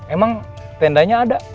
emang tendanya ada